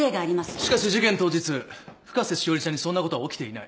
しかし事件当日深瀬詩織ちゃんにそんなことは起きていない。